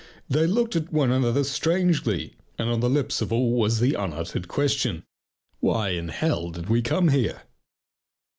They looked at one another strangely, and on the lips of all was the unuttered question: "Why in did we come here?"